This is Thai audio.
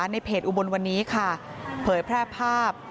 ในเพจอุบลวันนี้ค่ะเผยแพร่ภาพ